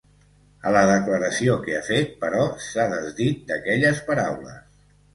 A la declaració que ha fet, però, s’ha desdit d’aquelles paraules.